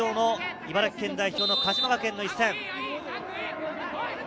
茨城県代表の鹿島学園の一戦。